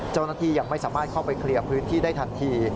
เจ้าหน้าที่ยังไม่สามารถเข้าไปเคลียร์พื้นที่ได้ทันที